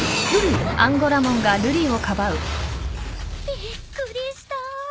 びっくりした。